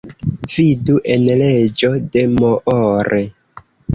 Vidu en leĝo de Moore.